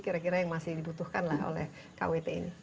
kira kira yang masih dibutuhkan lah oleh kwt ini